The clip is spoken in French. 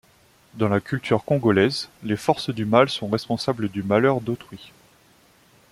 Dans la culture congolaise, les forces du mal sont responsables du malheur d'autrui.